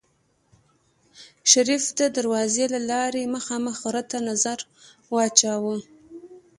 شريف د دروازې له لارې مخامخ غره ته نظر واچوه.